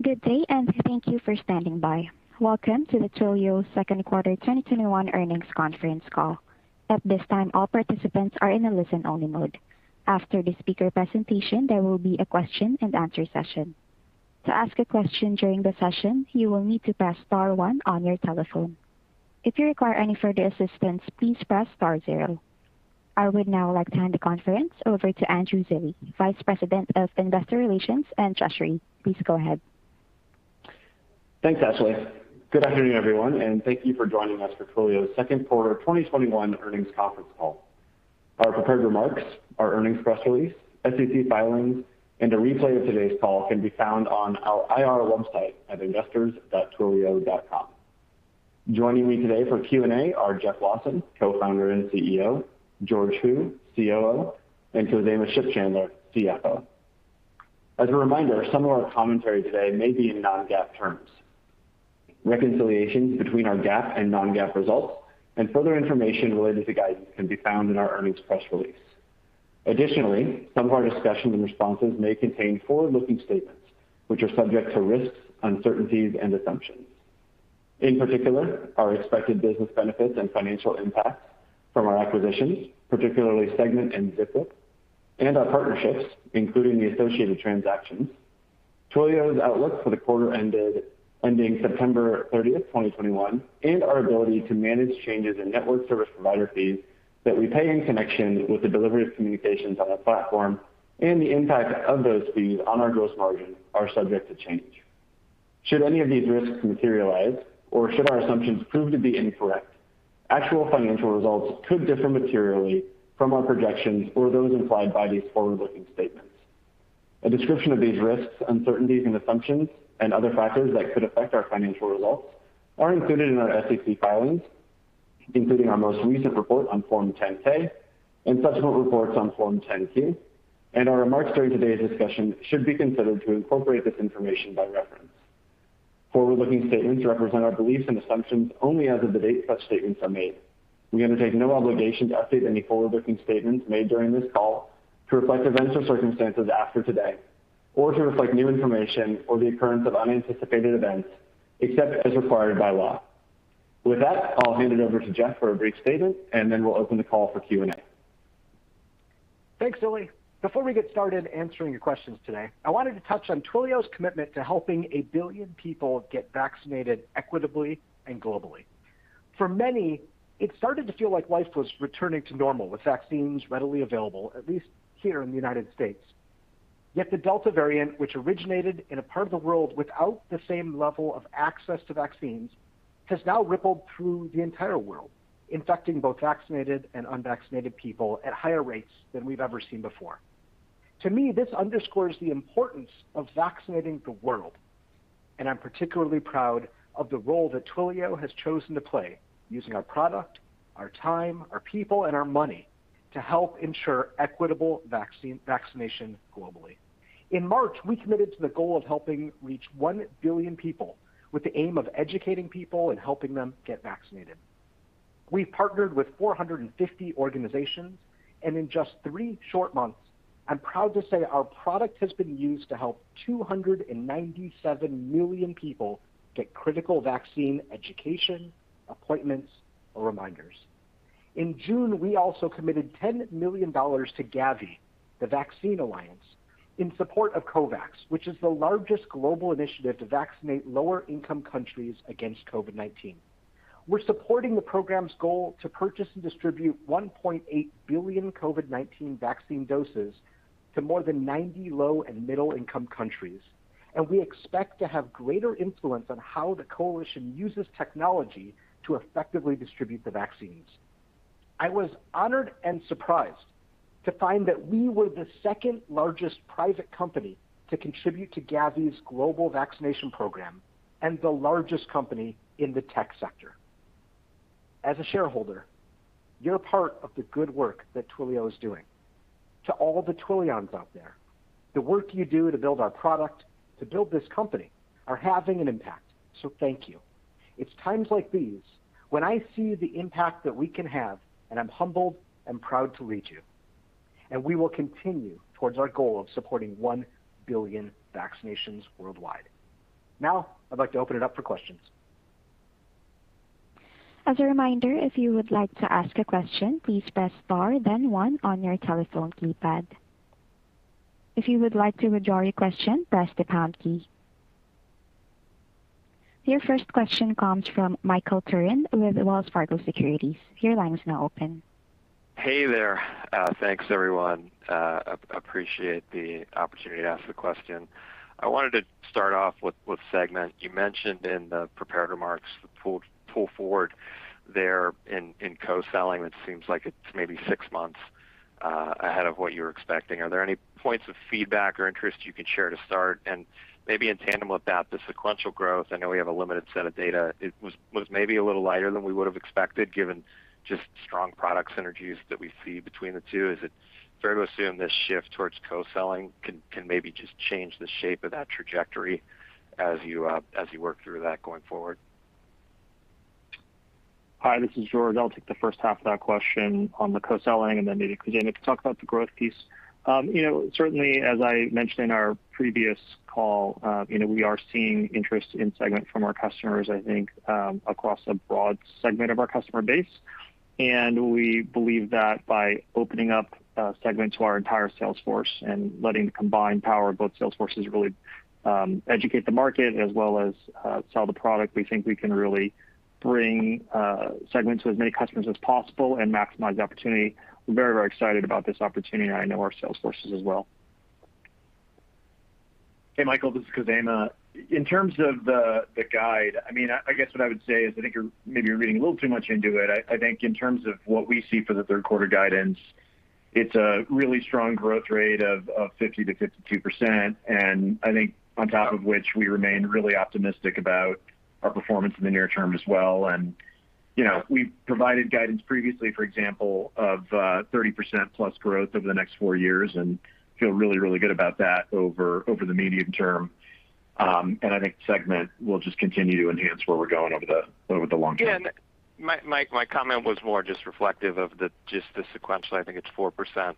Good day, and thank you for standing by. Welcome to the Twilio second quarter 2021 earnings conference call. At this time, all participants are in a listen-only mode. After the speaker presentation, there will be a question-and-answer session. To ask a question during the session, you will need to press star one on your telephone. If you require any further assistance, please press star zero. I would now like to hand the conference over to Andrew Zilli, Vice President of Investor Relations and Treasury. Please go ahead. Thanks, Ashley. Good afternoon, everyone, and thank you for joining us for Twilio's second quarter 2021 earnings conference call. Our prepared remarks, our earnings press release, SEC filings, and a replay of today's call can be found on our IR website at investors.twilio.com. Joining me today for Q&A are Jeff Lawson, Co-founder and CEO, George Hu, COO, and Khozema Shipchandler, CFO. As a reminder, some of our commentary today may be in non-GAAP terms. Reconciliation between our GAAP and non-GAAP results and further information related to guidance can be found in our earnings press release. Additionally, some of our discussions and responses may contain forward-looking statements which are subject to risks, uncertainties, and assumptions. In particular, our expected business benefits and financial impacts from our acquisitions, particularly Segment and Zipwhip, and our partnerships, including the associated transactions, Twilio's outlook for the quarter ending September 30th, 2021, and our ability to manage changes in network service provider fees that we pay in connection with the delivery of communications on our platform, and the impact of those fees on our gross margin, are subject to change. Should any of these risks materialize, or should our assumptions prove to be incorrect, actual financial results could differ materially from our projections or those implied by these forward-looking statements. A description of these risks, uncertainties, and assumptions and other factors that could affect our financial results are included in our SEC filings, including our most recent report on Form 10-K and subsequent reports on Form 10-Q, and our remarks during today's discussion should be considered to incorporate this information by reference. Forward-looking statements represent our beliefs and assumptions only as of the date such statements are made. We undertake no obligation to update any forward-looking statements made during this call to reflect events or circumstances after today or to reflect new information or the occurrence of unanticipated events, except as required by law. With that, I'll hand it over to Jeff for a brief statement, and then we'll open the call for Q&A. Thanks, Zilli. Before we get started answering your questions today, I wanted to touch on Twilio's commitment to helping 1 billion people get vaccinated equitably and globally. For many, it started to feel like life was returning to normal with vaccines readily available, at least here in the United States. The Delta variant, which originated in a part of the world without the same level of access to vaccines, has now rippled through the entire world, infecting both vaccinated and unvaccinated people at higher rates than we've ever seen before. To me, this underscores the importance of vaccinating the world, and I'm particularly proud of the role that Twilio has chosen to play using our product, our time, our people, and our money to help ensure equitable vaccination globally. In March, we committed to the goal of helping reach 1 billion people with the aim of educating people and helping them get vaccinated. We've partnered with 450 organizations, in just three short months, I'm proud to say our product has been used to help 297 million people get critical vaccine education, appointments, or reminders. In June, we also committed $10 million to Gavi, the Vaccine Alliance, in support of COVAX, which is the largest global initiative to vaccinate lower-income countries against COVID-19. We're supporting the program's goal to purchase and distribute 1.8 billion COVID-19 vaccine doses to more than 90 low and middle-income countries, we expect to have greater influence on how the coalition uses technology to effectively distribute the vaccines. I was honored and surprised to find that we were the second largest private company to contribute to Gavi's global vaccination program and the largest company in the tech sector. As a shareholder, you're part of the good work that Twilio is doing. To all the Twilions out there, the work you do to build our product, to build this company, are having an impact. Thank you. It's times like these when I see the impact that we can have, and I'm humbled and proud to lead you. We will continue towards our goal of supporting 1 billion vaccinations worldwide. I'd like to open it up for questions. As a reminder, if you would like to ask a question, please press star, then one on your telephone keypad. If you would like to withdraw your question, press the pound key. Your first question comes from Michael Turrin with Wells Fargo Securities. Your line is now open. Hey there. Thanks, everyone. Appreciate the opportunity to ask the question. I wanted to start off with Segment. You mentioned in the prepared remarks the pull forward there in co-selling, it seems like it's maybe six months ahead of what you were expecting. Are there any points of feedback or interest you could share to start? Maybe in tandem with that, the sequential growth, I know we have a limited set of data. It was maybe a little lighter than we would have expected, given just strong product synergies that we see between the two. Is it fair to assume this shift towards co-selling can maybe just change the shape of that trajectory as you work through that going forward? Hi, this is George. I'll take the first half of that question on the co-selling, and then maybe Khozema could talk about the growth piece. Certainly, as I mentioned in our previous call, we are seeing interest in Segment from our customers, I think, across a broad segment of our customer base. We believe that by opening up Segment to our entire sales force and letting the combined power of both sales forces really educate the market as well as sell the product, we think we can really bring Segment to as many customers as possible and maximize the opportunity. We're very excited about this opportunity, and I know our sales forces as well. Hey, Michael, this is Khozema. In terms of the guide, I guess what I would say is, I think maybe you're reading a little too much into it. I think in terms of what we see for the third quarter guidance, it's a really strong growth rate of 50%-52%, and I think on top of which, we remain really optimistic about our performance in the near term as well. We've provided guidance previously, for example, of 30%+ growth over the next four years, and feel really good about that over the medium term. I think Segment will just continue to enhance where we're going over the long term. Yeah. My comment was more just reflective of just the sequential, I think it's 4%,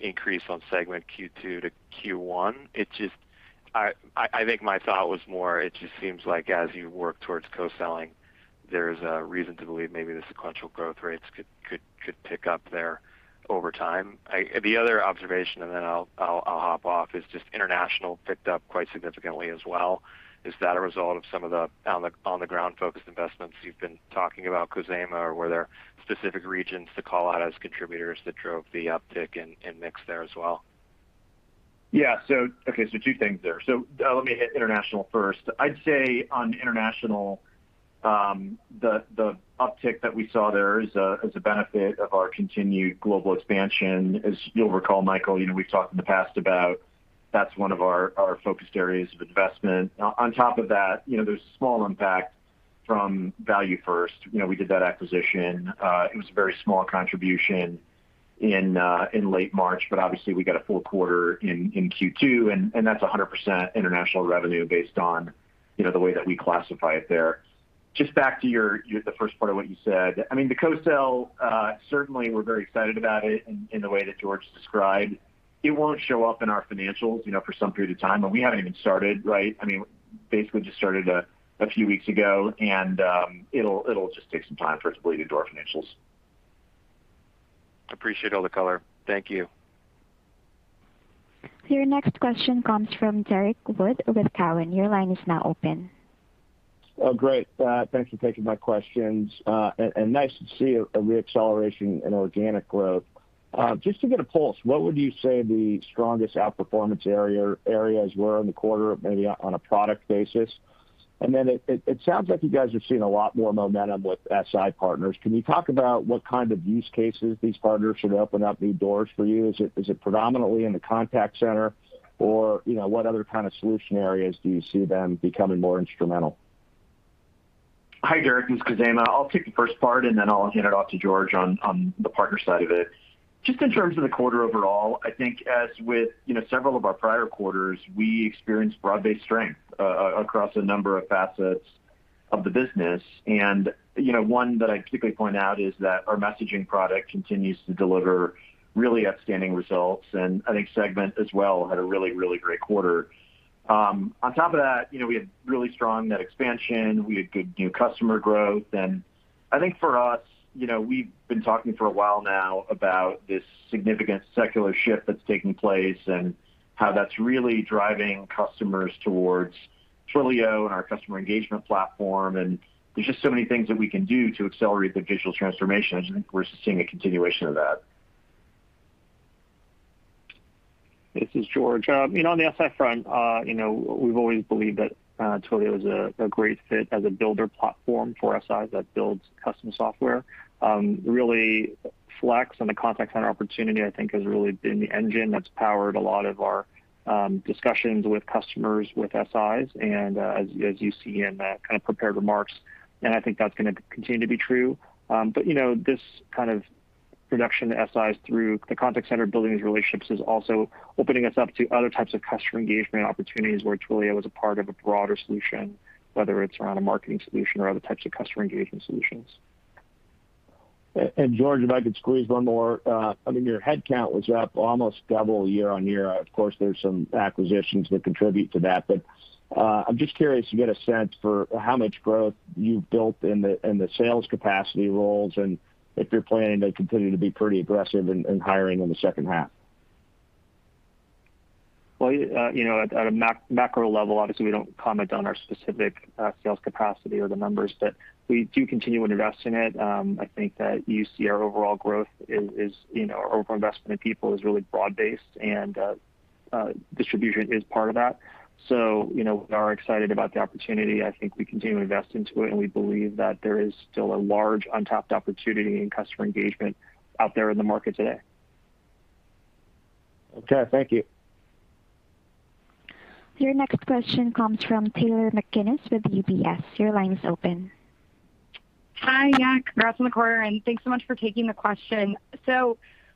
increase on Segment Q2 to Q1. I think my thought was more, it just seems like as you work towards co-selling, there's a reason to believe maybe the sequential growth rates could pick up there over time. The other observation, and then I'll hop off, is just international picked up quite significantly as well. Is that a result of some of the on-the-ground focused investments you've been talking about, Khozema, or were there specific regions to call out as contributors that drove the uptick in mix there as well? Okay, two things there. Let me hit international first. I'd say on international, the uptick that we saw there is a benefit of our continued global expansion. As you'll recall, Michael, we've talked in the past about that's one of our focused areas of investment. On top of that, there's a small impact from ValueFirst. We did that acquisition. It was a very small contribution in late March, but obviously we got a full quarter in Q2, and that's 100% international revenue based on the way that we classify it there. Just back to the first part of what you said. The co-sell, certainly we're very excited about it in the way that George described. It won't show up in our financials for some period of time, and we haven't even started, right? Basically just started a few weeks ago, and it'll just take some time for it to bleed into our financials. Appreciate all the color. Thank you. Your next question comes from Derrick Wood with Cowen. Your line is now open. Oh, great. Thanks for taking my questions. Nice to see a re-acceleration in organic growth. Just to get a pulse, what would you say the strongest outperformance areas were in the quarter, maybe on a product basis? Then it sounds like you guys are seeing a lot more momentum with SI partners. Can you talk about what kind of use cases these partners are opening up new doors for you? Is it predominantly in the contact center, or what other kind of solution areas do you see them becoming more instrumental? Hi, Derrick, it's Khozema. I'll take the first part, and then I'll hand it off to George on the partner side of it. Just in terms of the quarter overall, I think as with several of our prior quarters, we experienced broad-based strength across a number of facets of the business. One that I typically point out is that our messaging product continues to deliver really outstanding results, and I think Segment as well had a really great quarter. On top of that, we had really strong net expansion. We had good new customer growth. I think for us, we've been talking for a while now about this significant secular shift that's taking place and how that's really driving customers towards Twilio and our customer engagement platform. There's just so many things that we can do to accelerate their digital transformation, and I think we're seeing a continuation of that. This is George. On the SI front, we've always believed that Twilio is a great fit as a builder platform for SIs that builds custom software. Really, Flex and the contact center opportunity, I think, has really been the engine that's powered a lot of our discussions with customers, with SIs, as you see in the prepared remarks, I think that's going to continue to be true. This kind of introduction to SIs through the contact center building these relationships is also opening us up to other types of customer engagement opportunities where Twilio is a part of a broader solution, whether it's around a marketing solution or other types of customer engagement solutions. George, if I could squeeze one more. Your headcount was up almost double year-on-year. There's some acquisitions that contribute to that, but I'm just curious to get a sense for how much growth you've built in the sales capacity roles and if you're planning to continue to be pretty aggressive in hiring in the second half. At a macro level, obviously we don't comment on our specific sales capacity or the numbers, but we do continue to invest in it. I think that you see our overall investment in people is really broad based, and distribution is part of that. We are excited about the opportunity. I think we continue to invest into it, and we believe that there is still a large untapped opportunity in customer engagement out there in the market today. Okay. Thank you. Your next question comes from Taylor McGinnis with UBS. Your line is open. Hi. Yeah, congrats on the quarter, and thanks so much for taking the question.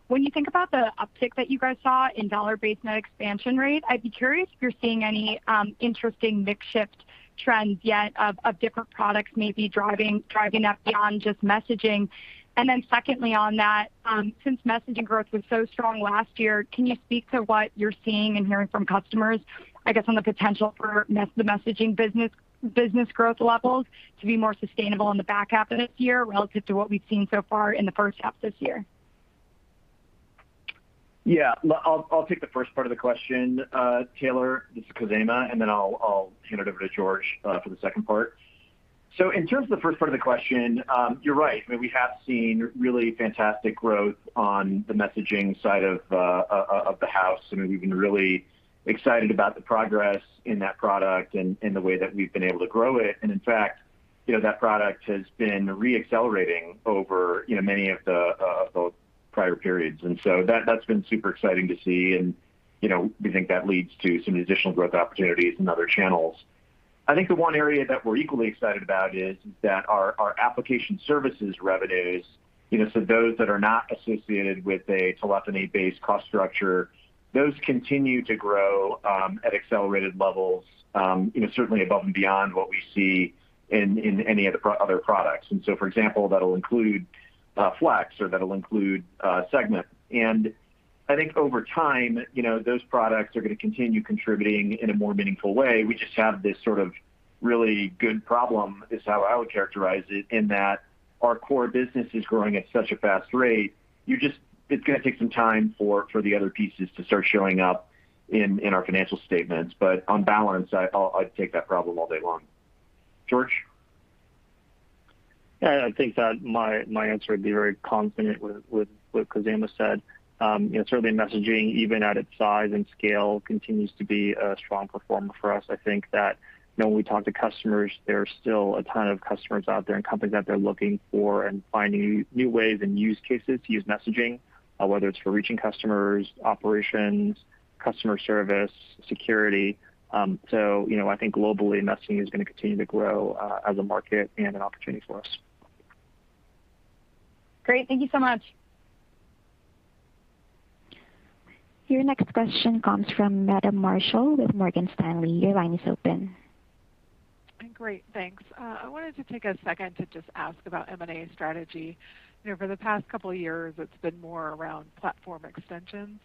When you think about the uptick that you guys saw in dollar-based net expansion rate, I'd be curious if you're seeing any interesting mix shift trends yet of different products maybe driving up beyond just messaging. Secondly on that, since messaging growth was so strong last year, can you speak to what you're seeing and hearing from customers, I guess, on the potential for the messaging business growth levels to be more sustainable in the back half of this year relative to what we've seen so far in the first half this year? Yeah. I'll take the first part of the question, Taylor. This is Khozema, and then I'll hand it over to George for the second part. In terms of the first part of the question, you're right. We have seen really fantastic growth on the messaging side of the house, and we've been really excited about the progress in that product and the way that we've been able to grow it. In fact, that product has been re-accelerating over many of the prior periods. That's been super exciting to see, and we think that leads to some additional growth opportunities in other channels. I think the one area that we're equally excited about is that our application services revenues, so those that are not associated with a telephony-based cost structure, those continue to grow at accelerated levels, certainly above and beyond what we see in any of the other products. For example, that'll include Twilio Flex or that'll include Segment. I think over time, those products are going to continue contributing in a more meaningful way. We just have this sort of really good problem, is how I would characterize it, in that our core business is growing at such a fast rate, it's going to take some time for the other pieces to start showing up in our financial statements. But on balance, I'd take that problem all day long. George? Yeah, I think that my answer would be very consonant with what Khozema said. Certainly messaging, even at its size and scale, continues to be a strong performer for us. I think that when we talk to customers, there are still a ton of customers out there and companies out there looking for and finding new ways and use cases to use messaging, whether it's for reaching customers, operations, customer service, security. I think globally, messaging is going to continue to grow as a market and an opportunity for us. Great. Thank you so much. Your next question comes from Meta Marshall with Morgan Stanley. Great, thanks. I wanted to take a second to just ask about M&A strategy. For the past couple of years, it's been more around platform extensions.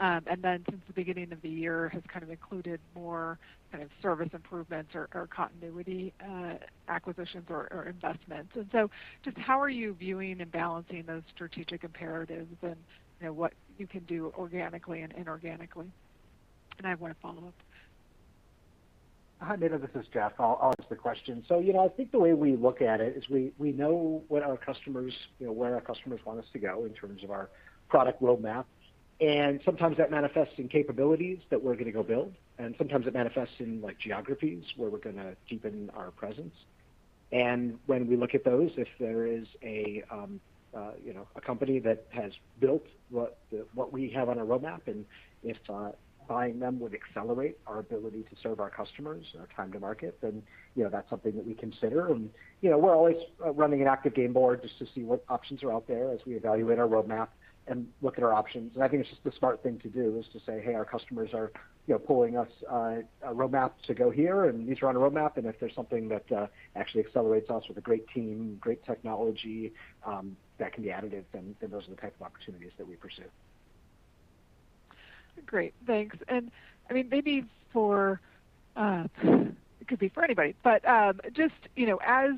Since the beginning of the year, has kind of included more kind of service improvements or continuity acquisitions or investments. Just how are you viewing and balancing those strategic imperatives and what you can do organically and inorganically? I have one follow-up. Hi, Meta, this is Jeff. I'll answer the question. I think the way we look at it is we know where our customers want us to go in terms of our product roadmap, and sometimes that manifests in capabilities that we're going to go build, and sometimes it manifests in geographies where we're going to deepen our presence. When we look at those, if there is a company that has built what we have on our roadmap, and if buying them would accelerate our ability to serve our customers and our time to market, then that's something that we consider. We're always running an active game board just to see what options are out there as we evaluate our roadmap and look at our options. I think it's just the smart thing to do, is to say, "Hey, our customers are pulling us a roadmap to go here, and these are on a roadmap." If there's something that actually accelerates us with a great team, great technology that can be additive, then those are the type of opportunities that we pursue. Great. Thanks. Maybe for, it could be for anybody, but just as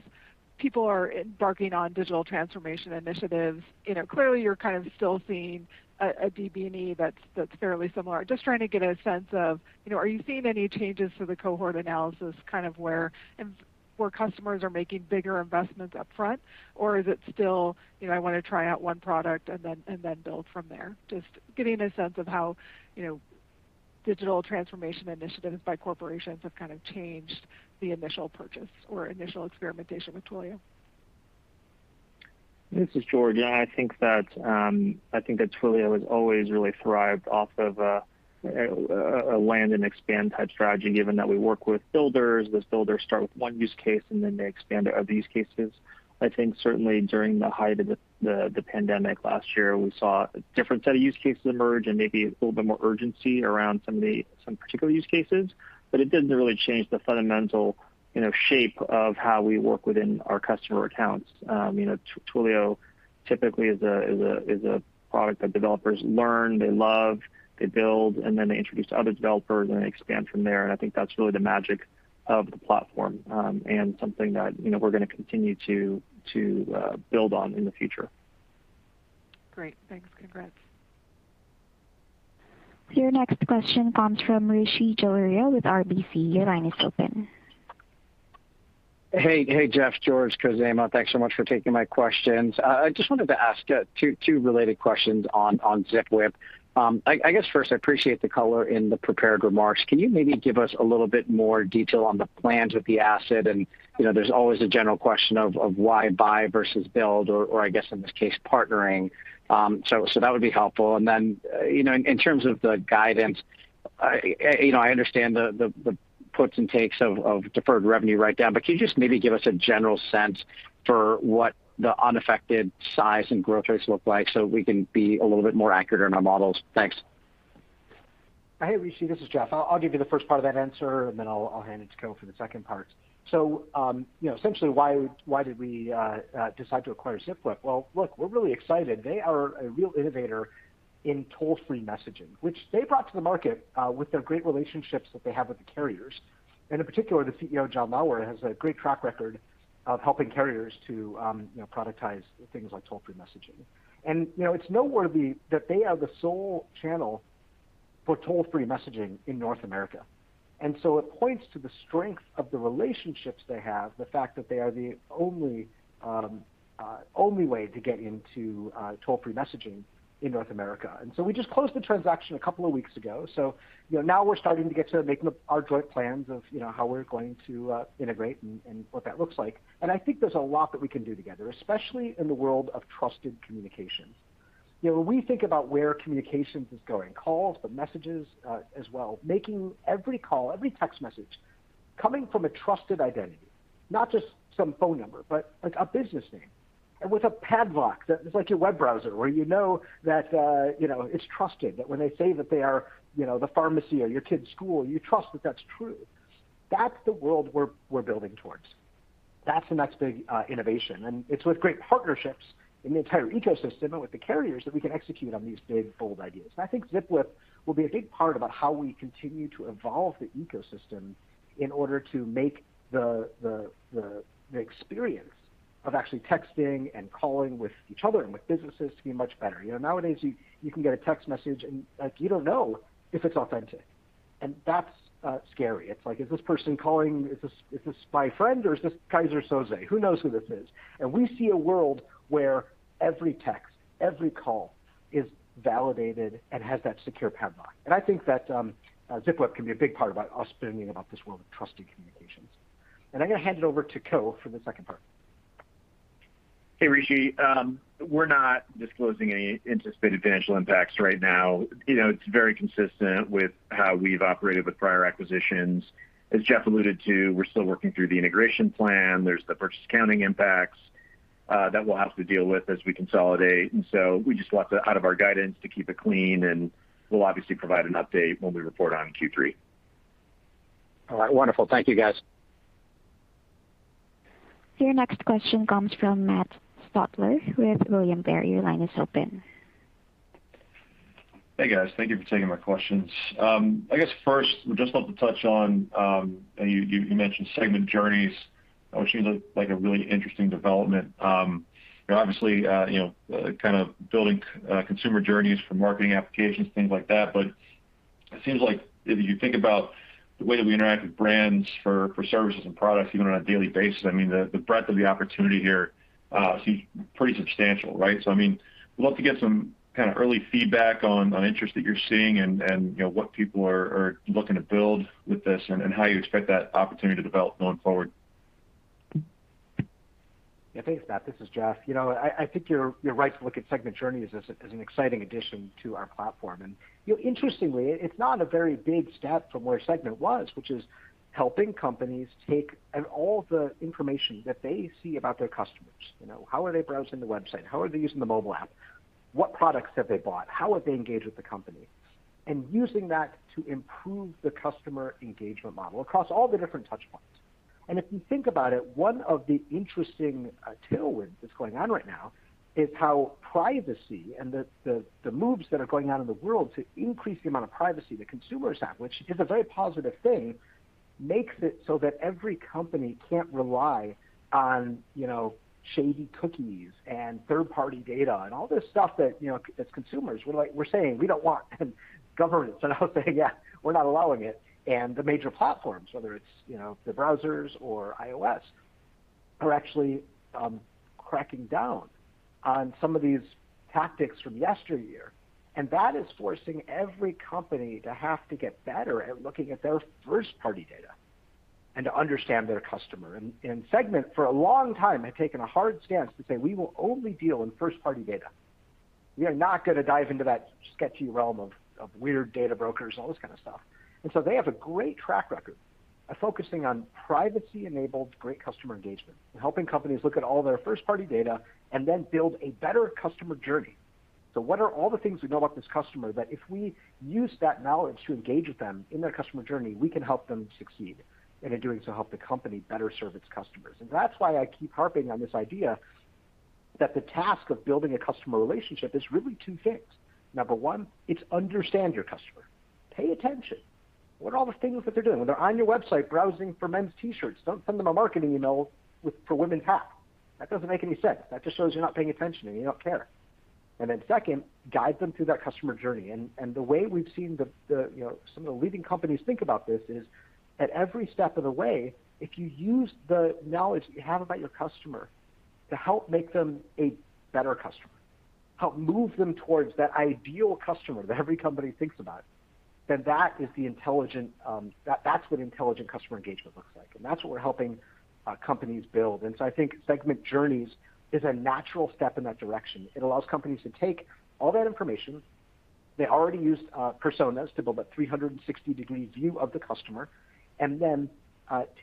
people are embarking on digital transformation initiatives, clearly you're kind of still seeing a DBNE that's fairly similar. Just trying to get a sense of, are you seeing any changes to the cohort analysis, kind of where customers are making bigger investments up front? Is it still, I want to try out one product and then build from there? Just getting a sense of how digital transformation initiatives by corporations have kind of changed the initial purchase or initial experimentation with Twilio. This is George. Yeah, I think that Twilio has always really thrived off of a land and expand type strategy, given that we work with builders. Those builders start with one use case, and then they expand to other use cases. I think certainly during the height of the pandemic last year, we saw a different set of use cases emerge and maybe a little bit more urgency around some particular use cases. It didn't really change the fundamental shape of how we work within our customer accounts. Twilio typically is a product that developers learn, they love, they build, and then they introduce to other developers, and they expand from there. I think that's really the magic of the platform and something that we're going to continue to build on in the future. Great. Thanks. Congrats. Your next question comes from Rishi Jaluria with RBC. Your line is open. Hey, Jeff, George, Khozema, thanks so much for taking my questions. I just wanted to ask two related questions on Zipwhip. I guess first, I appreciate the color in the prepared remarks. Can you maybe give us a little bit more detail on the plans with the asset? There's always a general question of why buy versus build, or I guess in this case, partnering. That would be helpful. Then, in terms of the guidance, I understand the puts and takes of deferred revenue write-down, can you just maybe give us a general sense for what the unaffected size and growth rates look like so we can be a little bit more accurate in our models? Thanks. Hey, Rishi, this is Jeff. I'll give you the first part of that answer, and then I'll hand it to Khozema for the second part. Essentially, why did we decide to acquire Zipwhip? Well, look, we're really excited. They are a real innovator in toll-free messaging, which they brought to the market with their great relationships that they have with the carriers. In particular, the CEO, John Lauer, has a great track record of helping carriers to productize things like toll-free messaging. It's noteworthy that they are the sole channel for toll-free messaging in North America. It points to the strength of the relationships they have, the fact that they are the only way to get into toll-free messaging in North America. We just closed the transaction a couple of weeks ago. Now we're starting to get to making our joint plans of how we're going to integrate and what that looks like. I think there's a lot that we can do together, especially in the world of trusted communication. When we think about where communications is going, calls, but messages as well, making every call, every text message coming from a trusted identity, not just some phone number, but a business name, and with a padlock that is like your web browser, where you know that it's trusted, that when they say that they are the pharmacy or your kid's school, you trust that that's true. That's the world we're building towards. That's the next big innovation, and it's with great partnerships in the entire ecosystem and with the carriers that we can execute on these big, bold ideas. I think Zipwhip will be a big part about how we continue to evolve the ecosystem in order to make the experience of actually texting and calling with each other and with businesses to be much better. Nowadays, you can get a text message, and you don't know if it's authentic, and that's scary. It's like, is this person calling, is this my friend or is this Keyser Söze? Who knows who this is? We see a world where every text, every call is validated and has that secure padlock. I think that Zipwhip can be a big part about us building about this world of trusted communications. I'm going to hand it over to Khozema for the second part. Hey, Rishi. We're not disclosing any anticipated financial impacts right now. It's very consistent with how we've operated with prior acquisitions. As Jeff alluded to, we're still working through the integration plan. There's the purchase accounting impacts that we'll have to deal with as we consolidate. We just want out of our guidance to keep it clean, and we'll obviously provide an update when we report on Q3. All right, wonderful. Thank you, guys. Your next question comes from Matt Stotler with William Blair. Your line is open. Hey, guys. Thank you for taking my questions. I guess first, just want to touch on, you mentioned Segment Journeys, which seems like a really interesting development. Kind of building consumer journeys for marketing applications, things like that, but it seems like if you think about the way that we interact with brands for services and products, even on a daily basis, I mean, the breadth of the opportunity here seems pretty substantial, right? I'd love to get some kind of early feedback on interest that you're seeing and what people are looking to build with this and how you expect that opportunity to develop going forward. Thanks, Matt. This is Jeff. I think you're right to look at Twilio Segment Journeys as an exciting addition to our platform. Interestingly, it's not a very big step from where Segment was, which is helping companies take all the information that they see about their customers. How are they browsing the website? How are they using the mobile app? What products have they bought? How have they engaged with the company? Using that to improve the customer engagement model across all the different touch points. If you think about it, one of the interesting tailwinds that's going on right now is how privacy and the moves that are going on in the world to increase the amount of privacy the Consumer's Act, which is a very positive thing, makes it so that every company can't rely on shady cookies and third-party data and all this stuff that as consumers, we're saying we don't want, and governments are now saying, "Yeah, we're not allowing it." The major platforms, whether it's the browsers or iOS, are actually cracking down on some of these tactics from yesteryear. That is forcing every company to have to get better at looking at their first-party data and to understand their customer. Segment, for a long time, had taken a hard stance to say, "We will only deal in first-party data. We are not going to dive into that sketchy realm of weird data brokers and all this kind of stuff." They have a great track record of focusing on privacy-enabled great customer engagement and helping companies look at all their first-party data and then build a better customer journey. What are all the things we know about this customer that if we use that knowledge to engage with them in their customer journey, we can help them succeed, and in doing so, help the company better serve its customers. That's why I keep harping on this idea that the task of building a customer relationship is really two things. Number one, it's understand your customer. Pay attention. What are all the things that they're doing? When they're on your website browsing for men's T-shirts, don't send them a marketing email for women's hats. That doesn't make any sense. That just shows you're not paying attention and you don't care. Second, guide them through that customer journey. The way we've seen some of the leading companies think about this is at every step of the way, if you use the knowledge that you have about your customer to help make them a better customer, help move them towards that ideal customer that every company thinks about, then that's what intelligent customer engagement looks like. That's what we're helping companies build. I think Segment Journeys is a natural step in that direction. It allows companies to take all that information. They already used Personas to build a 360-degree view of the customer, and then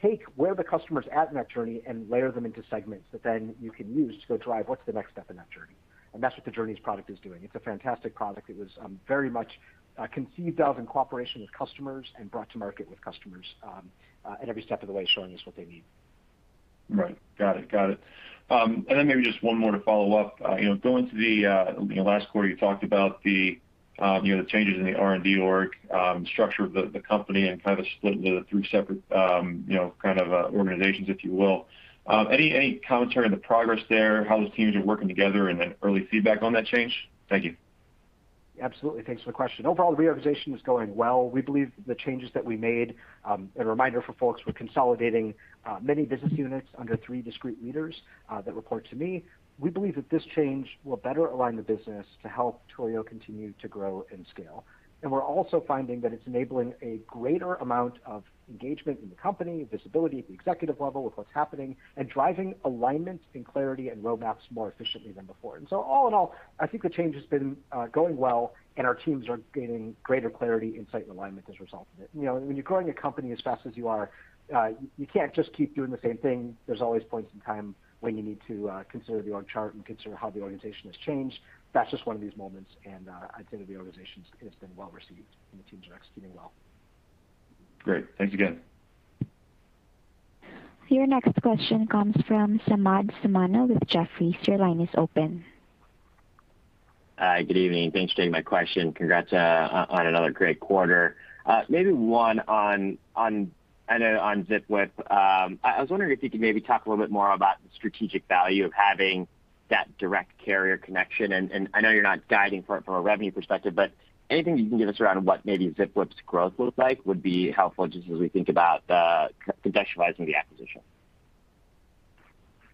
take where the customer's at in that journey and layer them into segments that then you can use to go drive what's the next step in that journey. That's what the Journeys product is doing. It's a fantastic product that was very much conceived of in cooperation with customers and brought to market with customers, at every step of the way, showing us what they need. Right. Got it. Maybe just one more to follow up. Going to the last quarter, you talked about the changes in the R&D org structure of the company and split into three separate kind of organizations, if you will. Any commentary on the progress there, how those teams are working together, and then early feedback on that change? Thank you. Absolutely. Thanks for the question. Overall, the reorganization is going well. We believe the changes that we made, a reminder for folks, we're consolidating many business units under three discrete leaders that report to me. We believe that this change will better align the business to help Twilio continue to grow and scale. We're also finding that it's enabling a greater amount of engagement in the company, visibility at the executive level with what's happening, and driving alignment and clarity and roadmaps more efficiently than before. All in all, I think the change has been going well and our teams are gaining greater clarity, insight, and alignment as a result of it. When you're growing a company as fast as you are, you can't just keep doing the same thing. There's always points in time when you need to consider the org chart and consider how the organization has changed. That's just one of these moments, and I'd say that the organization has been well-received, and the teams are executing well. Great. Thanks again. Your next question comes from Samad Samana with Jefferies. Your line is open. Hi, good evening. Thanks for taking my question. Congrats on another great quarter. Maybe one on Zipwhip. I was wondering if you could maybe talk a little bit more about the strategic value of having that direct carrier connection, and I know you're not guiding from a revenue perspective, but anything you can give us around what maybe Zipwhip's growth looks like would be helpful just as we think about contextualizing the acquisition.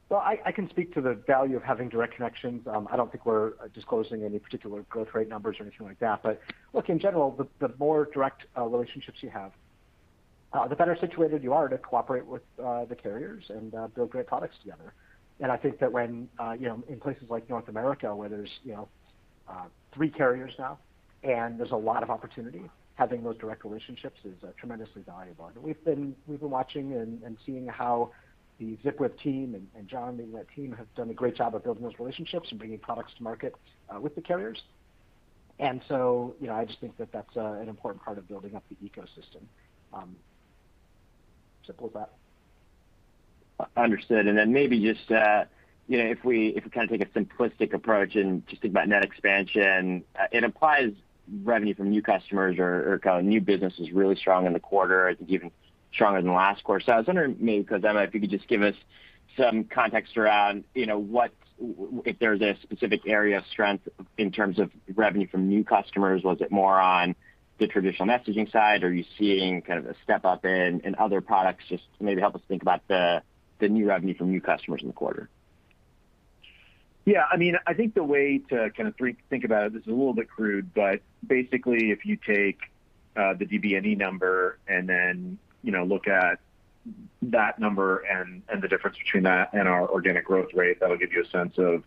Well, I can speak to the value of having direct connections. I don't think we're disclosing any particular growth rate numbers or anything like that. Look, in general, the more direct relationships you have, the better situated you are to cooperate with the carriers and build great products together. I think that when, in places like North America where there's three carriers now, and there's a lot of opportunity, having those direct relationships is tremendously valuable. We've been watching and seeing how the Zipwhip team and John and that team have done a great job of building those relationships and bringing products to market with the carriers. I just think that that's an important part of building up the ecosystem. Simple as that. Understood. Maybe just if we take a simplistic approach and just think about net expansion, it implies revenue from new customers or new business is really strong in the quarter, I think even stronger than last quarter. I was wondering, maybe, Khozema, if you could just give us some context around if there's a specific area of strength in terms of revenue from new customers. Was it more on the traditional messaging side? Are you seeing a step-up in other products? Just maybe help us think about the new revenue from new customers in the quarter. Yeah. I think the way to think about it, this is a little bit crude, but basically, if you take the DBNE number and then look at that number and the difference between that and our organic growth rate, that'll give you a sense of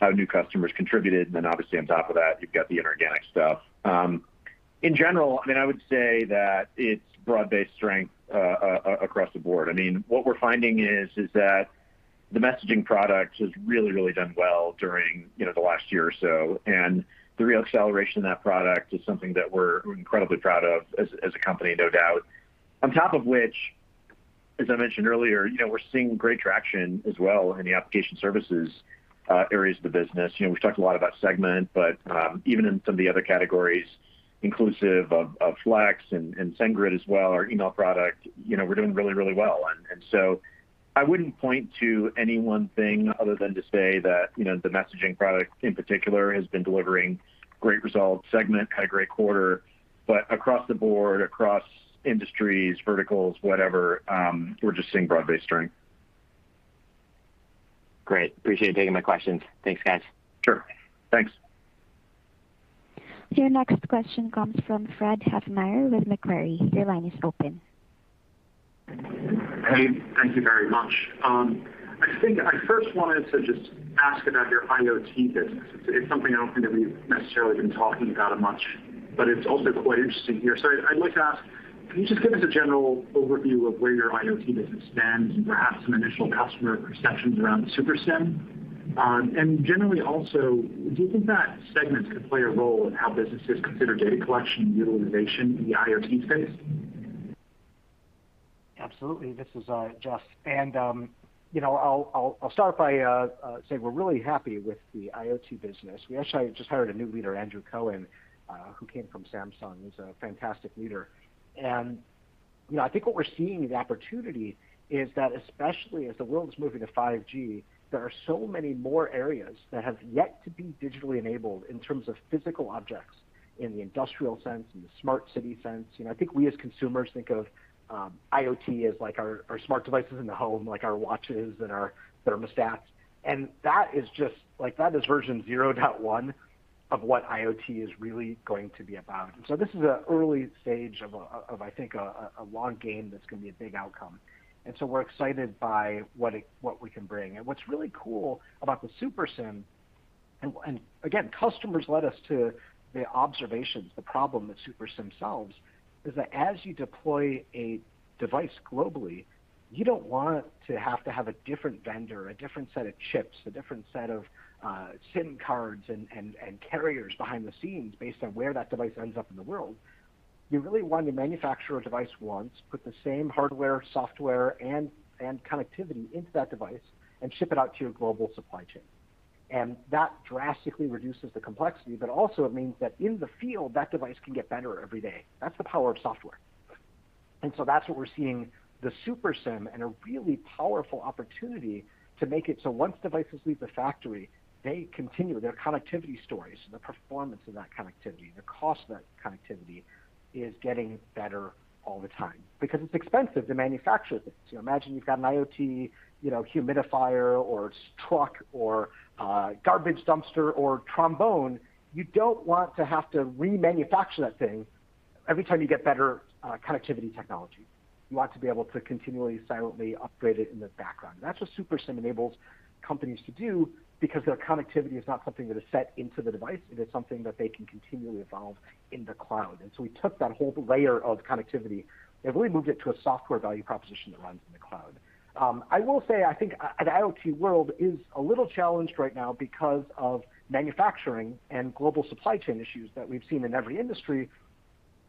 how new customers contributed. Obviously on top of that, you've got the inorganic stuff. In general, I would say that it's broad-based strength across the board. What we're finding is that the messaging product has really, really done well during the last year or so, and the real acceleration of that product is something that we're incredibly proud of as a company, no doubt. On top of which, as I mentioned earlier, we're seeing great traction as well in the application services areas of the business. We've talked a lot about Segment, but even in some of the other categories, inclusive of Flex and SendGrid as well, our email product, we're doing really, really well. I wouldn't point to any one thing other than to say that the messaging product, in particular, has been delivering great results. Segment had a great quarter. Across the board, across industries, verticals, whatever, we're just seeing broad-based strength. Great. Appreciate you taking my questions. Thanks, guys. Sure. Thanks. Your next question comes from Fred Havemeyer with Macquarie. Your line is open. Hey. Thank you very much. I think I first wanted to just ask about your IoT business. It's something I don't think that we've necessarily been talking about much, but it's also quite interesting here. I'd like to ask, can you just give us a general overview of where your IoT business stands and perhaps some initial customer perceptions around the Super SIM? Generally also, do you think that Segment could play a role in how businesses consider data collection and utilization in the IoT space? Absolutely. This is Jeff. I'll start by saying we're really happy with the IoT business. We actually just hired a new leader, Andrew Cohen, who came from Samsung. He's a fantastic leader. I think what we're seeing as opportunity is that especially as the world is moving to 5G, there are so many more areas that have yet to be digitally enabled in terms of physical objects in the industrial sense, in the smart city sense. I think we, as consumers, think of IoT as our smart devices in the home, like our watches and our thermostats, and that is version 0.1 of what IoT is really going to be about. This is an early stage of, I think, a long game that's going to be a big outcome. We're excited by what we can bring. What's really cool about the Super SIM, and again, customers led us to the observations, the problem that Super SIM solves is that as you deploy a device globally, you don't want to have to have a different vendor, a different set of chips, a different set of SIM cards and carriers behind the scenes based on where that device ends up in the world. You really want to manufacture a device once, put the same hardware, software, and connectivity into that device, and ship it out to your global supply chain. That drastically reduces the complexity, but also it means that in the field, that device can get better every day. That's the power of software. That's what we're seeing the Super SIM and a really powerful opportunity to make it so once devices leave the factory, they continue their connectivity stories, the performance of that connectivity, the cost of that connectivity is getting better all the time because it's expensive to manufacture things. Imagine you've got an IoT humidifier or truck or garbage dumpster or trombone, you don't want to have to remanufacture that thing every time you get better connectivity technology. You want to be able to continually, silently upgrade it in the background. That's what Super SIM enables companies to do because their connectivity is not something that is set into the device. It is something that they can continually evolve in the cloud. We took that whole layer of connectivity and really moved it to a software value proposition that runs in the cloud. I will say, I think the IoT world is a little challenged right now because of manufacturing and global supply chain issues that we've seen in every industry.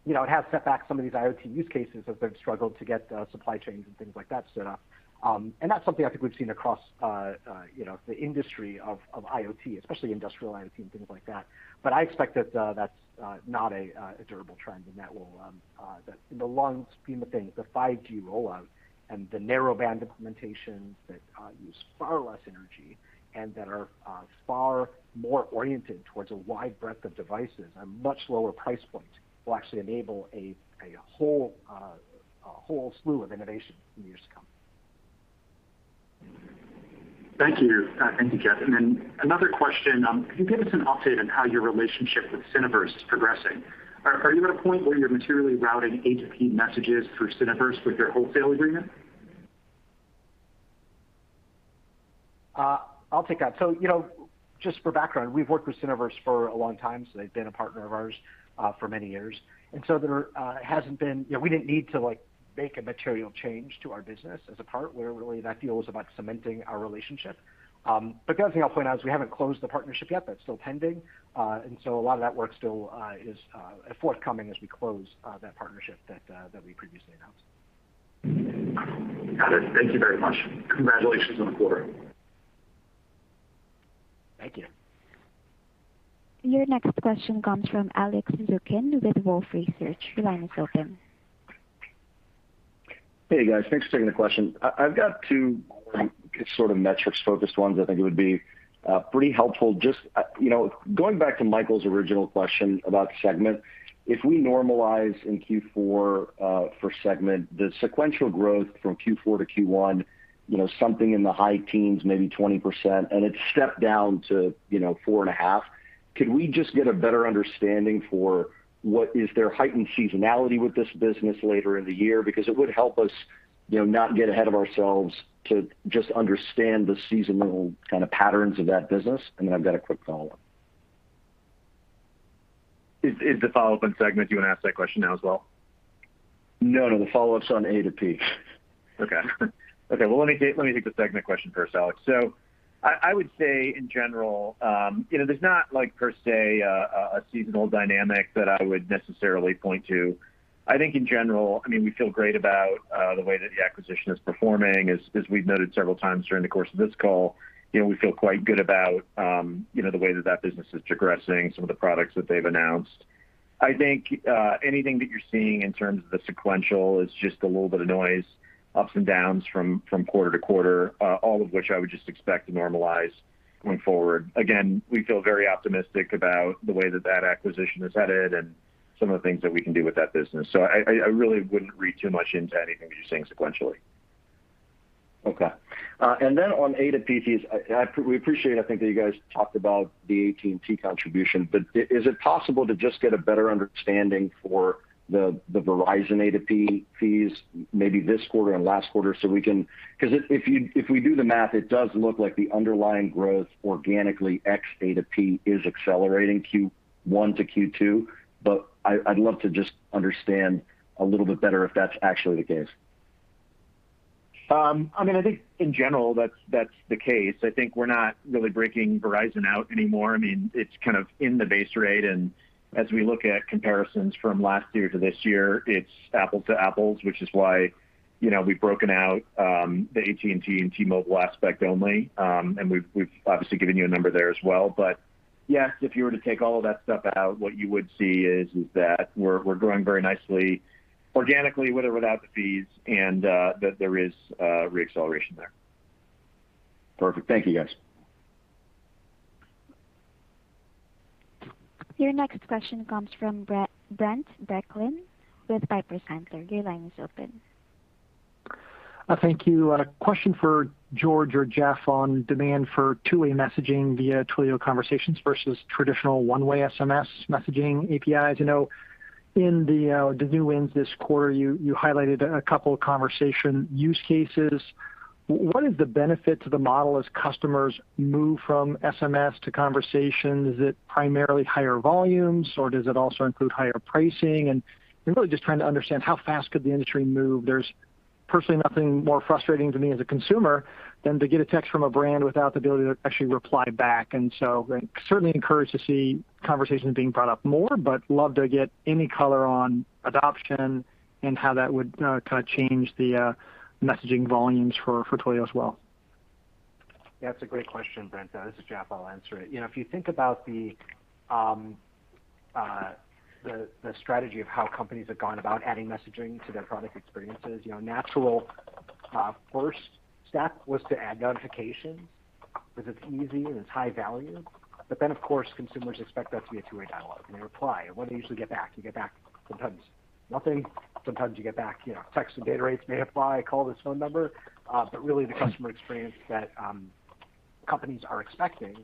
It has set back some of these IoT use cases as they've struggled to get supply chains and things like that set up. That's something I think we've seen across the industry of IoT, especially industrial IoT and things like that. I expect that's not a durable trend and that in the long scheme of things, the 5G rollout and the narrowband implementations that use far less energy and that are far more oriented towards a wide breadth of devices at a much lower price point will actually enable a whole slew of innovation in years to come. Thank you. Thank you, Jeff. Another question. Can you give us an update on how your relationship with Syniverse is progressing? Are you at a point where you're materially routing A2P messages through Syniverse with your wholesale agreement? I'll take that. Just for background, we've worked with Syniverse for a long time. They've been a partner of ours for many years. We didn't need to make a material change to our business as a part where really that deal was about cementing our relationship. The other thing I'll point out is we haven't closed the partnership yet. That's still pending. A lot of that work still is forthcoming as we close that partnership that we previously announced. Got it. Thank you very much. Congratulations on the quarter. Thank you. Your next question comes from Alex Zukin with Wolfe Research. Your line is open. Hey, guys. Thanks for taking the question. I've got two sort of metrics-focused ones I think it would be pretty helpful. Just going back to Michael's original question about Segment, if we normalize in Q4 for Segment, the sequential growth from Q4 to Q1, something in the high teens, maybe 20%, and it stepped down to 4.5%. Could we just get a better understanding for is there heightened seasonality with this business later in the year? It would help us not get ahead of ourselves to just understand the seasonal kind of patterns of that business. I've got a quick follow-up. Is the follow-up on Segment, do you want to ask that question now as well? No, the follow-up's on A2P. Well, let me take the Segment question first, Alex. I would say in general, there's not per se a seasonal dynamic that I would necessarily point to. I think in general, we feel great about the way that the acquisition is performing. As we've noted several times during the course of this call, we feel quite good about the way that business is progressing, some of the products that they've announced. I think anything that you're seeing in terms of the sequential is just a little bit of noise, ups and downs from quarter to quarter, all of which I would just expect to normalize going forward. We feel very optimistic about the way that acquisition is headed and some of the things that we can do with that business. I really wouldn't read too much into anything that you're seeing sequentially. Okay. On A2P fees, we appreciate, I think that you guys talked about the AT&T contribution, is it possible to just get a better understanding for the Verizon A2P fees maybe this quarter and last quarter? Because if we do the math, it does look like the underlying growth organically ex A2P is accelerating Q1 to Q2. I'd love to just understand a little bit better if that's actually the case. I think in general, that's the case. I think we're not really breaking Verizon out anymore. It's kind of in the base rate, and as we look at comparisons from last year to this year, it's apples to apples, which is why we've broken out the AT&T and T-Mobile aspect only. We've obviously given you a number there as well. Yes, if you were to take all of that stuff out, what you would see is that we're growing very nicely organically with or without the fees and that there is re-acceleration there. Perfect. Thank you, guys. Your next question comes from Brent Bracelin with Piper Sandler. Your line is open. Thank you. A question for George or Jeff on demand for two-way messaging via Twilio Conversations versus traditional one-way SMS messaging APIs. In the new wins this quarter, you highlighted a couple of conversation use cases. What is the benefit to the model as customers move from SMS to Conversations? Is it primarily higher volumes, or does it also include higher pricing? Really just trying to understand how fast could the industry move. There's personally, nothing more frustrating to me as a consumer than to get a text from a brand without the ability to actually reply back. Certainly encouraged to see Twilio Conversations being brought up more, but love to get any color on adoption and how that would kind of change the messaging volumes for Twilio as well. That's a great question, Brent. This is Jeff. I'll answer it. If you think about the strategy of how companies have gone about adding messaging to their product experiences, natural first step was to add notifications because it's easy and it's high value. Of course, consumers expect that to be a two-way dialogue, and they reply. What do you usually get back? You get back sometimes nothing. Sometimes you get back, "Text and data rates may apply. Call this phone number." Really, the customer experience that companies are expecting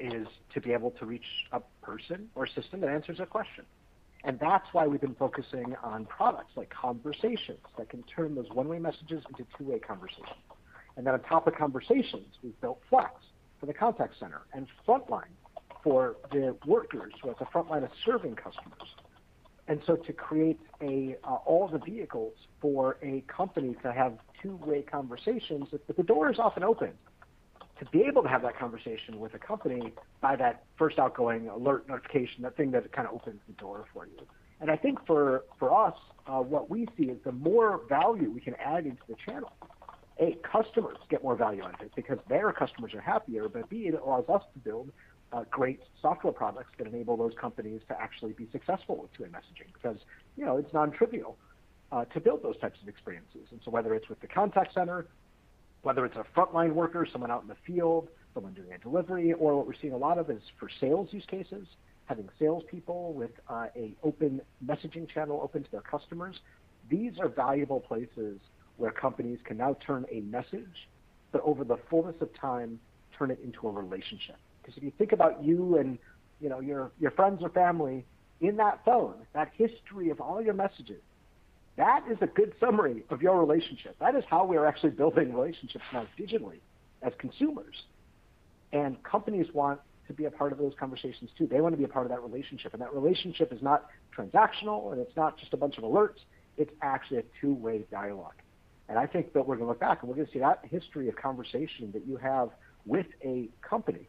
is to be able to reach a person or a system that answers a question. That's why we've been focusing on products like Conversations that can turn those one-way messages into two-way conversations. On top of Twilio Conversations, we've built Twilio Flex for the contact center and Twilio Frontline for the workers who are at the frontline of serving customers. To create all the vehicles for a company to have two-way conversations, that the door is often open to be able to have that conversation with a company by that first outgoing alert, notification, that thing that kind of opens the door for you. I think for us, what we see is the more value we can add into the channel, A, customers get more value out of it because their customers are happier, but B, that allows us to build great software products that enable those companies to actually be successful with two-way messaging because it's non-trivial to build those types of experiences. Whether it's with the contact center, whether it's a frontline worker, someone out in the field, someone doing a delivery, or what we're seeing a lot of is for sales use cases, having salespeople with an open messaging channel open to their customers. These are valuable places where companies can now turn a message, but over the fullness of time, turn it into a relationship. If you think about you and your friends or family in that phone, that history of all your messages, that is a good summary of your relationship. That is how we are actually building relationships now digitally as consumers. Companies want to be a part of those conversations, too. They want to be a part of that relationship, and that relationship is not transactional, and it's not just a bunch of alerts. It's actually a two-way dialogue. I think that we're going to look back and we're going to see that history of conversation that you have with a company,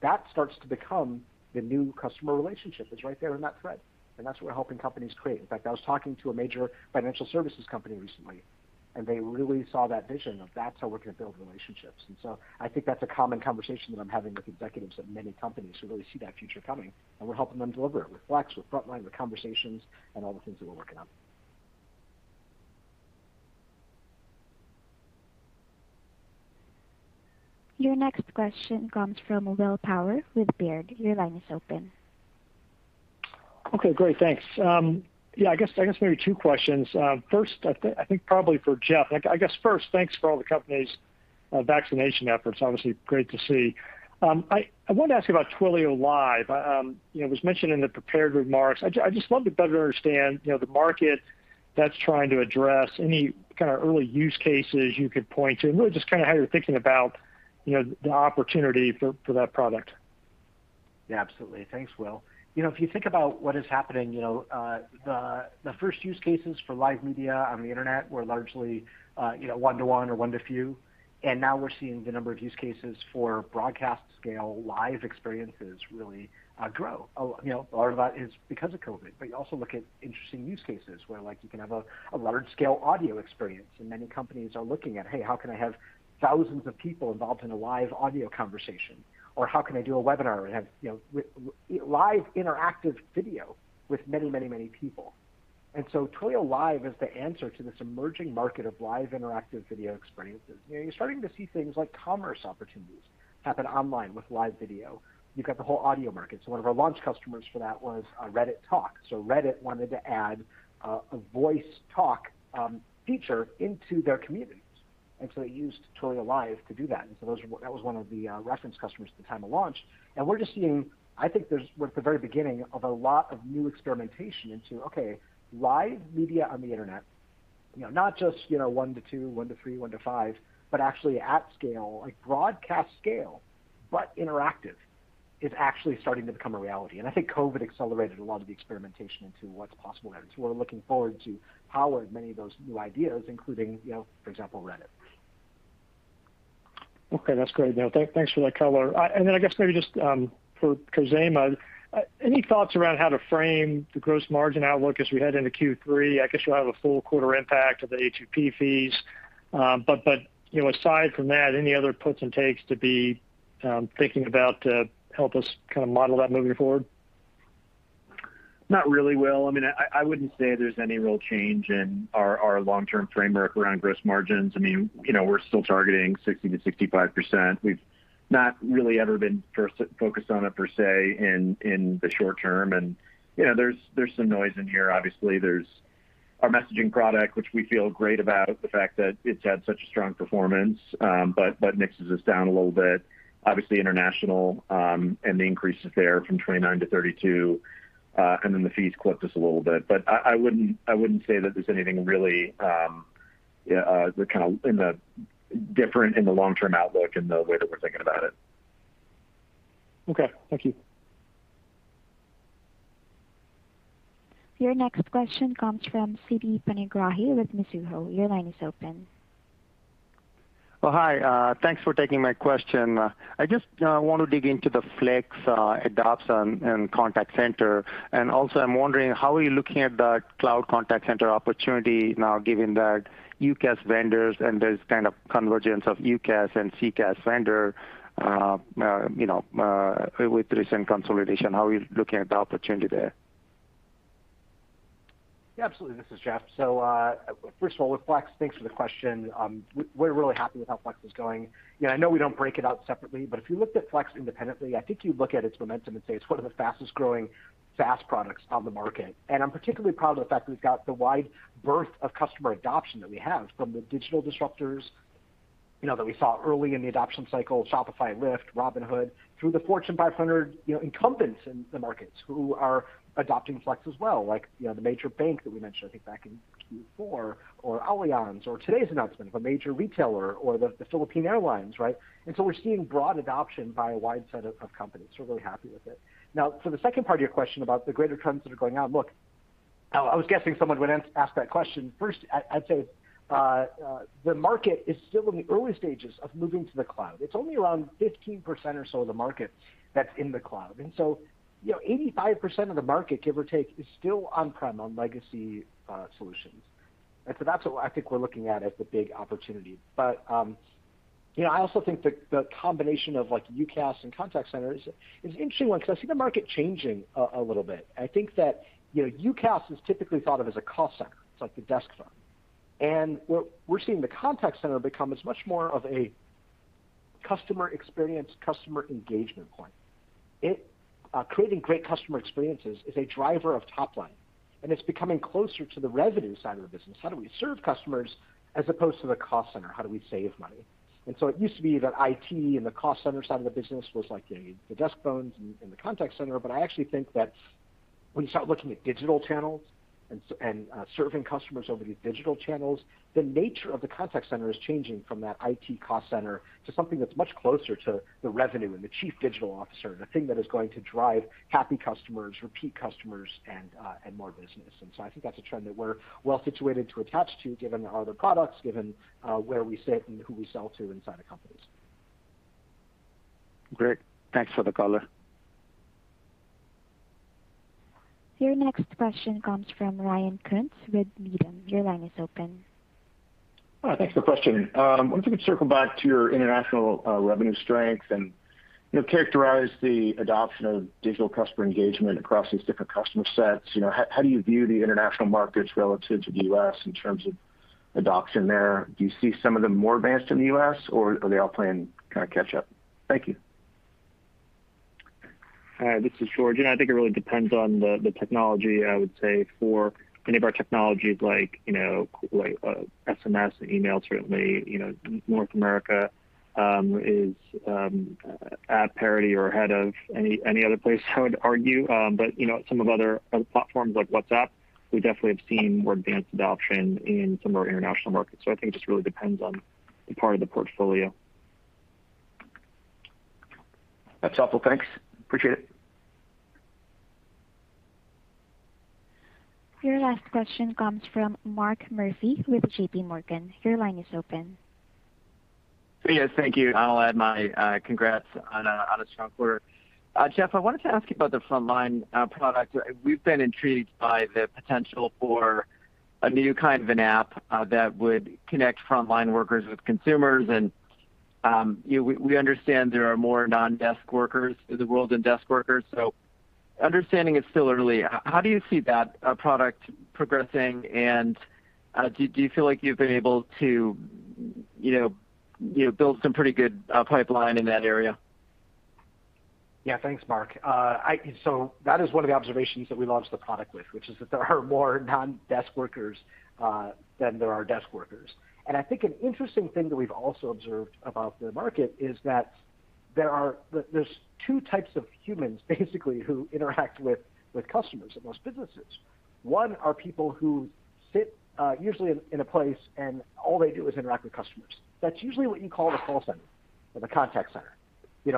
that starts to become the new customer relationship. It's right there in that thread, and that's what we're helping companies create. In fact, I was talking to a major financial services company recently, and they really saw that vision of that's how we're going to build relationships. I think that's a common conversation that I'm having with executives at many companies who really see that future coming, and we're helping them deliver it with Flex, with Frontline, with Conversations, and all the things that we're working on. Your next question comes from Will Power with Baird. Okay, great. Thanks. I guess maybe two questions. First, I think probably for Jeff, I guess first, thanks for all the company's vaccination efforts. Obviously, great to see. I wanted to ask you about Twilio Live. It was mentioned in the prepared remarks. I just love to better understand the market that's trying to address any kind of early use cases you could point to, and really just kind of how you're thinking about the opportunity for that product. Yeah, absolutely. Thanks, Will. If you think about what is happening, the first use cases for live media on the internet were largely one-to-one or one-to-few, and now we're seeing the number of use cases for broadcast scale live experiences really grow. A lot of that is because of COVID, but you also look at interesting use cases where you can have a large-scale audio experience, and many companies are looking at, "Hey, how can I have thousands of people involved in a live audio conversation?" Or, "How can I do a webinar and have live interactive video with many people?" Twilio Live is the answer to this emerging market of live interactive video experiences. You're starting to see things like commerce opportunities happen online with live video. You've got the whole audio market. One of our launch customers for that was Reddit Talk. Reddit wanted to add a voice talk feature into their communities, and so they used Twilio Live to do that. That was one of the reference customers at the time of launch. We're just seeing, I think we're at the very beginning of a lot of new experimentation into, okay, live media on the internet, not just one-to-two, one-to-three, one-to-five, but actually at scale, like broadcast scale, but interactive, is actually starting to become a reality. I think COVID accelerated a lot of the experimentation into what's possible there. We're looking forward to power many of those new ideas, including, for example, Reddit. Okay, that's great. Thanks for that color. I guess maybe just for Khozema, any thoughts around how to frame the gross margin outlook as we head into Q3? I guess you'll have a full quarter impact of the A2P fees. Aside from that, any other puts and takes to be thinking about to help us kind of model that moving forward? Not really, Will. I wouldn't say there's any real change in our long-term framework around gross margins. We're still targeting 60%-65%. We've not really ever been focused on it per se in the short term. There's some noise in here, obviously. There's our messaging product, which we feel great about the fact that it's had such a strong performance. Mixes us down a little bit, obviously international, and the increases there from 29-32, and then the fees clipped us a little bit. I wouldn't say that there's anything really different in the long-term outlook and the way that we're thinking about it. Okay. Thank you. Your next question comes from Siti Panigrahi with Mizuho. Your line is open. Hi. Thanks for taking my question. I just want to dig into the Flex adoption in contact center. Also, I'm wondering, how are you looking at that cloud contact center opportunity now, given that UCaaS vendors and this kind of convergence of UCaaS and CCaaS vendor, with the recent consolidation, how are you looking at the opportunity there? Yeah, absolutely. This is Jeff. First of all, with Flex, thanks for the question. We're really happy with how Flex is going. I know we don't break it out separately, but if you looked at Flex independently, I think you'd look at its momentum and say it's one of the fastest growing SaaS products on the market. I'm particularly proud of the fact that we've got the wide berth of customer adoption that we have, from the digital disruptors that we saw early in the adoption cycle, Shopify, Lyft, Robinhood, through the Fortune 500 incumbents in the markets who are adopting Flex as well, like the major bank that we mentioned, I think back in Q4, or Allianz, or today's announcement of a major retailer or the Philippine Airlines, right? We're seeing broad adoption by a wide set of companies, so we're really happy with it. Now, for the second part of your question about the greater trends that are going on. Look, I was guessing someone would ask that question. First, I'd say the market is still in the early stages of moving to the cloud. It's only around 15% or so of the market that's in the cloud. 85% of the market, give or take, is still on-prem, on legacy solutions. That's what I think we're looking at as the big opportunity. I also think that the combination of UCaaS and contact centers is an interesting one because I see the market changing a little bit. I think that UCaaS is typically thought of as a cost center. It's like the desk phone. We're seeing the contact center become as much more of a customer experience, customer engagement point. Creating great customer experiences is a driver of top line, and it's becoming closer to the revenue side of the business. How do we serve customers as opposed to the cost center, how do we save money? It used to be that IT and the cost center side of the business was like the desk phones and the contact center. I actually think that when you start looking at digital channels and serving customers over these digital channels, the nature of the contact center is changing from that IT cost center to something that's much closer to the revenue and the chief digital officer, and the thing that is going to drive happy customers, repeat customers, and more business. I think that's a trend that we're well situated to attach to given our other products, given where we sit and who we sell to inside the companies. Great. Thanks for the color. Your next question comes from Ryan Koontz with Needham. Your line is open. Hi. Thanks for the question. I wonder if you could circle back to your international revenue strength and characterize the adoption of digital customer engagement across these different customer sets. How do you view the international markets relative to the U.S. in terms of adoption there? Do you see some of them more advanced than the U.S., or are they all playing catch up? Thank you. This is George. I think it really depends on the technology. I would say for any of our technologies like SMS and email, certainly, North America is at parity or ahead of any other place, I would argue. Some of other platforms like WhatsApp, we definitely have seen more advanced adoption in some of our international markets. I think it just really depends on the part of the portfolio. That's helpful. Thanks. Appreciate it. Your last question comes from Mark Murphy with JPMorgan. Your line is open. Yes. Thank you. I'll add my congrats on a strong quarter. Jeff, I wanted to ask you about the Frontline product. We've been intrigued by the potential for a new kind of an app that would connect frontline workers with consumers. We understand there are more non-desk workers in the world than desk workers. Understanding it's still early, how do you see that product progressing, and do you feel like you've been able to build some pretty good pipeline in that area? Yeah, thanks, Mark. That is one of the observations that we launched the product with, which is that there are more non-desk workers than there are desk workers. I think an interesting thing that we've also observed about the market is that there's two types of humans basically who interact with customers at most businesses. One are people who sit usually in a place, and all they do is interact with customers. That's usually what you call the call center or the contact center.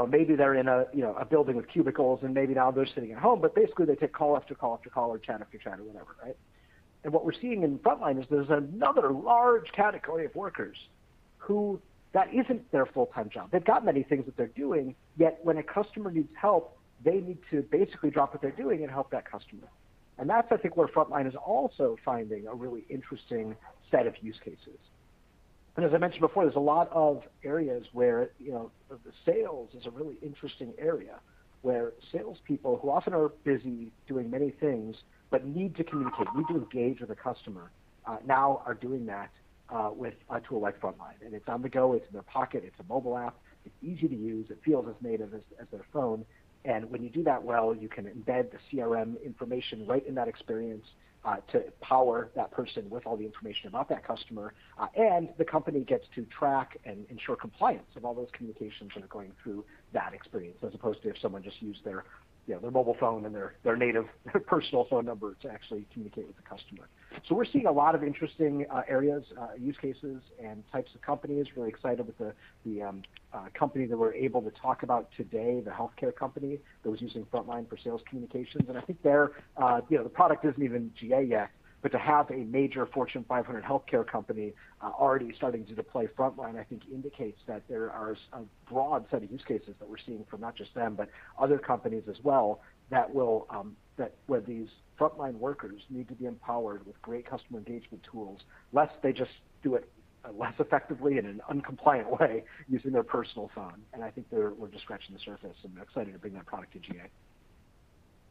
Maybe they're in a building with cubicles, and maybe now they're sitting at home. Basically, they take call after call after call or chat after chat or whatever, right? What we're seeing in Frontline is there's another large category of workers who that isn't their full-time job. They've got many things that they're doing, yet when a customer needs help, they need to basically drop what they're doing and help that customer. That's, I think, where Frontline is also finding a really interesting set of use cases. As I mentioned before, there's a lot of areas where the sales is a really interesting area, where salespeople who often are busy doing many things but need to communicate, need to engage with a customer, now are doing that with a tool like Frontline. It's on the go, it's in their pocket, it's a mobile app, it's easy to use. It feels as native as their phone. When you do that well, you can embed the CRM information right in that experience to power that person with all the information about that customer. The company gets to track and ensure compliance of all those communications that are going through that experience, as opposed to if someone just used their mobile phone and their native personal phone number to actually communicate with the customer. We're seeing a lot of interesting areas, use cases, and types of companies. Really excited with the company that we're able to talk about today, the healthcare company that was using Frontline for sales communications. I think the product isn't even GA yet, but to have a major Fortune 500 healthcare company already starting to deploy Frontline, I think indicates that there are a broad set of use cases that we're seeing from not just them, but other companies as well, where these Frontline workers need to be empowered with great customer engagement tools, lest they just do it less effectively in an uncompliant way using their personal phone. I think we're just scratching the surface, and we're excited to bring that product to GA.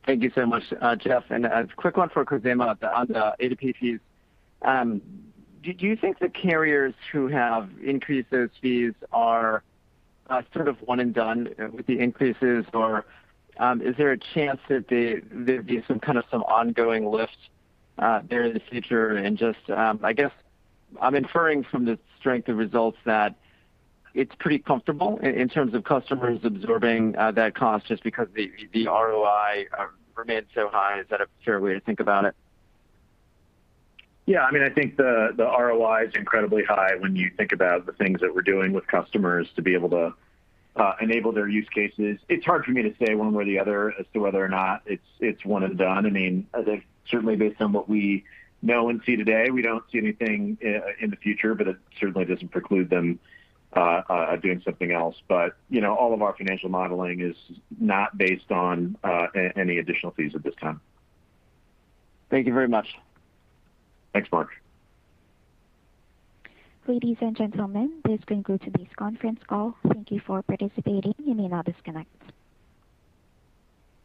Thank you so much, Jeff. A quick one for Khozema on the A2P fees. Do you think the carriers who have increased those fees are sort of one and done with the increases, or is there a chance that there'd be some kind of some ongoing lift there in the future? Just, I guess I'm inferring from the strength of results that it's pretty comfortable in terms of customers absorbing that cost just because the ROI remains so high. Is that a fair way to think about it? I think the ROI is incredibly high when you think about the things that we're doing with customers to be able to enable their use cases. It's hard for me to say one way or the other as to whether or not it's one and done. I think certainly based on what we know and see today, we don't see anything in the future, but it certainly doesn't preclude them doing something else. All of our financial modeling is not based on any additional fees at this time. Thank you very much. Thanks, Mark. Ladies and gentlemen, this concludes today's conference call. Thank you for participating. You may now disconnect.